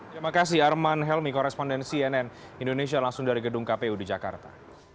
terima kasih arman helmi koresponden cnn indonesia langsung dari gedung kpu di jakarta